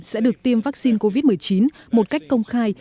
sẽ được tiêm vaccine covid một mươi chín một cách công khai